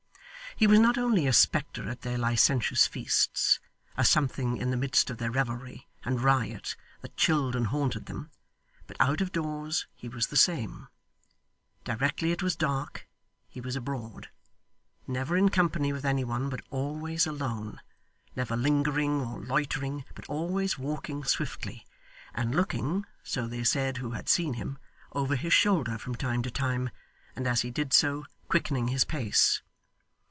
He was not only a spectre at their licentious feasts; a something in the midst of their revelry and riot that chilled and haunted them; but out of doors he was the same. Directly it was dark, he was abroad never in company with any one, but always alone; never lingering or loitering, but always walking swiftly; and looking (so they said who had seen him) over his shoulder from time to time, and as he did so quickening his pace.